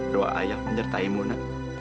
doa ayah menyertai mona